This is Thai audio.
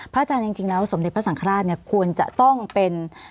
อาจารย์จริงแล้วสมเด็จพระสังฆราชเนี่ยควรจะต้องเป็น